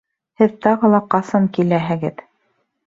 Һеҙ тағы ла ҡасан киләһегеҙ?